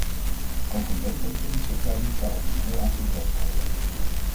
Ook een betere politieopleiding zou ons een heel eind op weg helpen.